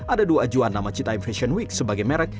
ada dua ajuan nama citai fashion week sebagai merek